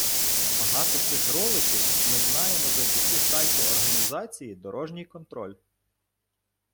Багато цих роликів ми знаємо завдяки сайту організації «Дорожній контроль».